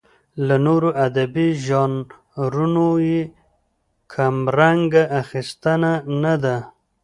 له نورو ادبي ژانرونو یې کمرنګه اخیستنه نه ده.